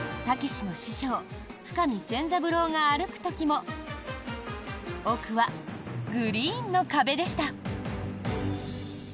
たけしの師匠深見千三郎が歩く時も奥は、グリーンの壁でした。